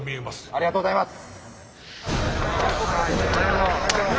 ありがとうございます！